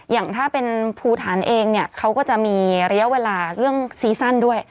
อย่างถ้าเป็นภูฐานเองเนี่ยเขาก็จะมีระยะเวลาเรื่องซีซั่นด้วย